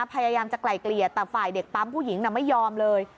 พยายามจะไกลเกลี่ยแต่ฝ่ายเด็กปั๊มผู้หญิงน่ะไม่ยอมเลย